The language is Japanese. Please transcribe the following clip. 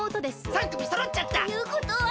３くみそろっちゃった！ということは。